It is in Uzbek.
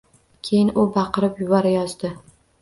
Keyin u baqirib yuborayozdi